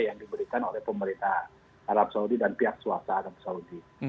yang diberikan oleh pemerintah arab saudi dan pihak swasta arab saudi